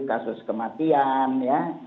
kasus kematian ya